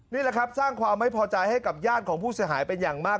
นี่แหละครับสร้างความไม่พอใจให้กับญาติของผู้เสียหายเป็นอย่างมาก